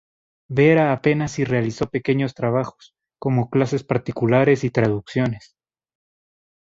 Vera apenas si realizó pequeños trabajos, como clases particulares y traducciones.